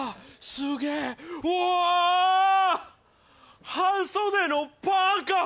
すげえうわっ半袖のパーカー！